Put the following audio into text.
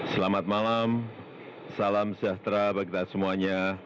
selamat malam salam sejahtera bagi kita semuanya